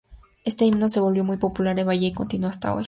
Este himno se volvió muy popular en Bahía y continúa hasta hoy.